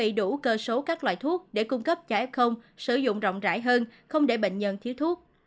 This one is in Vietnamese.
điều quan trọng lúc này là làm sao để chuẩn bị đủ cơ số các loại thuốc để cung cấp cho f sử dụng rộng rãi hơn không để bệnh nhân thiếu thuốc